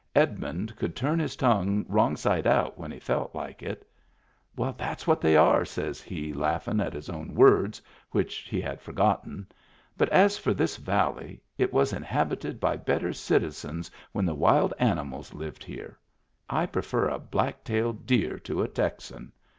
Edmund could turn his tongue wrong side out when he felt like it " That's what they are," says he, laughin' at his own words, which he had for gotten. " But as for this valley, it was inhabited by better citizens when the wild animals lived here. I prefer a black tailed deer to a Texan.